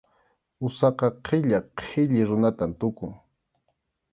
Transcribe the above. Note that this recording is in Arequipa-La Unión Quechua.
Usaqa qilla qhilli runatam tukun.